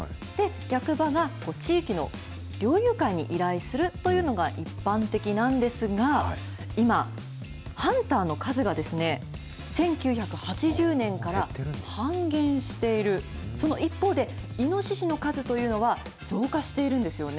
役場が地域の猟友会に依頼するというのが一般的なんですが、今、ハンターの数が１９８０年から半減しているその一方で、イノシシの数というのは、増加しているんですよね。